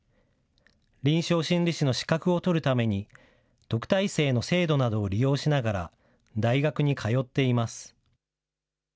臨床心理士の資格を取るために、特待生の制度などを利用しながら、大学に通っています。